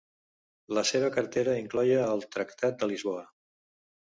La seva cartera incloïa el Tractat de Lisboa.